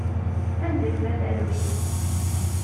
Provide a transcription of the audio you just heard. Anda-kem a talwit?